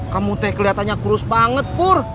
kamu teh kelihatannya kurus banget pur